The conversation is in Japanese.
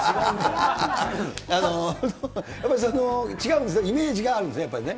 やっぱり違うんですね、イメージがあるんですね、やっぱりね。